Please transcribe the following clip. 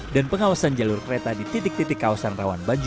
dan pengawasan jalur kereta di titik titik kawasan rawan banjung